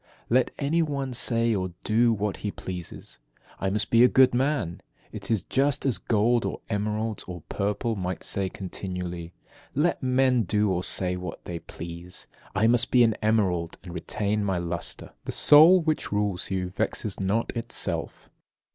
15. Let any one say or do what he pleases, I must be a good man. It is just as gold, or emeralds, or purple might say continually: "Let men do or say what they please, I must be an emerald, and retain my lustre." 16. The soul which rules you vexes not itself.